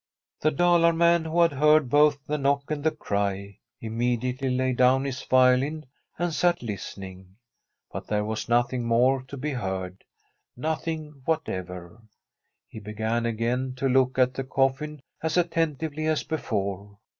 The Dalar man, who had heard both the knock and the cry, immediately laid down his violin and sat listening; but there was nothing more to be heard — nothing whatever. He be gan again to look at the coffin as attentively as before.